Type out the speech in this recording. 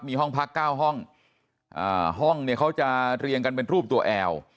มีห้องพักเก้าห้องห้องเนี่ยเขาจะเรียงกันเป็นรูปตัวแอล